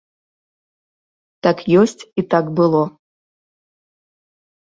Так ёсць і так было.